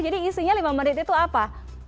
jadi isinya lima menit itu apa